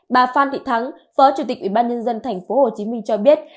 bà phan thị thắng phó chủ tịch ủy ban nhân dân thành phố hồ chí minh cho biết